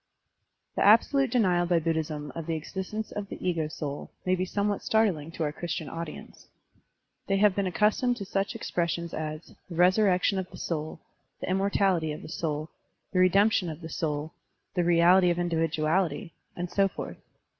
The absolute denial by Buddhism of the existence of the ego soul may be somewhat startling to our Christian audience. They have been accustomed to such expressions as "the resurrection of the soul," "the immortality of the soul," "the redemption of the soul," "the reality of individuality," and so forth.